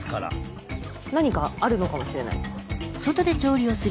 何かあるのかもしれない。